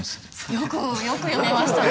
よくよく読めましたね